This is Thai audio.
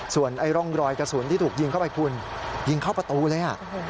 ส่วนร่องรอยกระสุนที่ถูกยิงเข้าไปคุณยิงเข้าประตูเลย